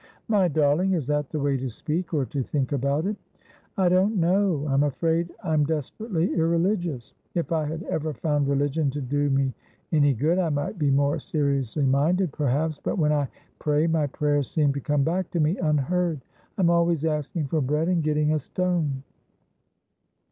'My darling, is that the way to speak or to think about it?' ' I don't know. I'm afraid I am desperately irreligious. If I had ever found religion do me any good I might be more seriously minded, perhaps. But when I pray, my prayers seem to come back to me unheard. I am always asking for bread, and getting a stone.'